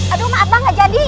aduh maaf bang gak jadi